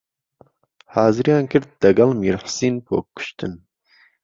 حازریان کرد دهگەڵ میرحوسین بۆ کوشتن